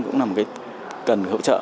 cũng là một cái cần thiết